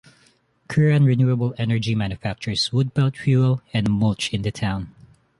Curran Renewable Energy manufactures wood pellet fuel and mulch in the town.